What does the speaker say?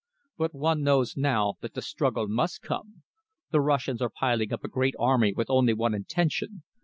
But one knows now that the struggle must come. The Russians are piling up a great army with only one intention.